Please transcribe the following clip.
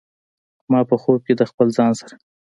ما په خوب کې د خپل ځان سره